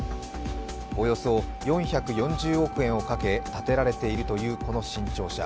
およそ４４０億円をかけ建てられているというこの新庁舎。